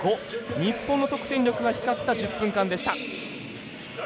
日本の得点力が光った１０分間でした。